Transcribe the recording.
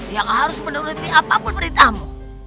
yang harus menuruti apapun beritamu